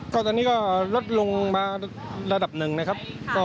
ก็ตอนนี้ก็ลดลงมาระดับหนึ่งนะครับ